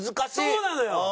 そうなのよ。